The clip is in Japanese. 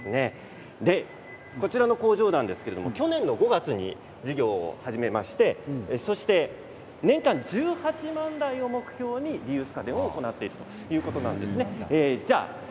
こちらの工場は去年の５月に事業を始めまして年間１８万台を目標にリユース家電を行っているということなんです。